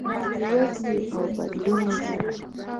د ودې او بدلون مثال.